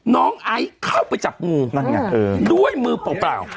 น้องไอ้เข้าไปจับงูด้วยมือเปล่า